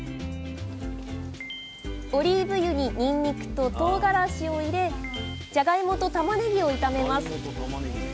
オリーブ油ににんにくととうがらしを入れじゃがいもとたまねぎを炒めます。